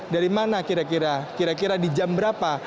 dari mana kira kira kira kira di jam berapa